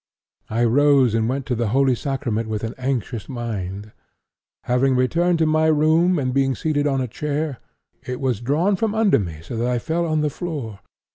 I rose and went to the Holy Sacrament with an anxious mind. Having returned to my room, and being seated on a chair, it was drawn from under me so that I fell on the floor.